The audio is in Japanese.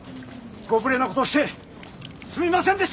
ご無礼な事をしてすみませんでした！